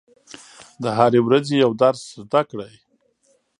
د هرې ورځې یو درس زده کړئ.